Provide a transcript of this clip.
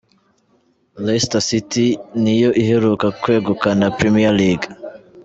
Leicester City niyo iheruka kwegukana Premier League